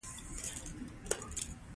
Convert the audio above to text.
که همغږي نه وي، ستونزې به راشي.